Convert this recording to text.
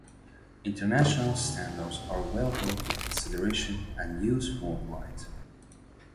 International standards are available for consideration and use worldwide.